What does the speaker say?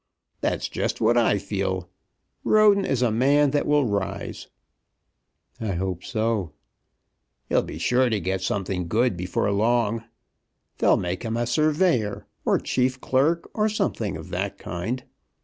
"That's just what I feel. Roden is a man that will rise." "I hope so." "He'll be sure to get something good before long. They'll make him a Surveyor, or Chief Clerk, or something of that kind.